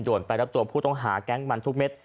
ไปรับตัวผู้ต้องหาแก๊งมันทุกเม็ด